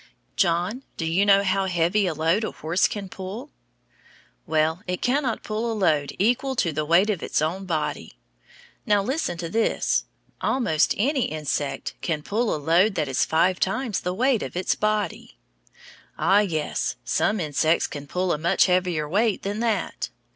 John, do you know how heavy a load a horse can pull? Well, it cannot pull a load equal to the weight of its own body. Now, listen to this, almost any insect can pull a load that is five times the weight of its body! Ah, yes, some insects can pull a much heavier weight than that.